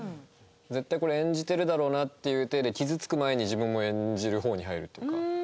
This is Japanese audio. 絶対これ演じてるだろうなっていうテイで傷つく前に自分も演じる方に入るっていうか。